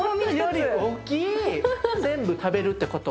全部食べるってこと？